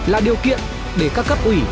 là điều kiện để các cấp ủy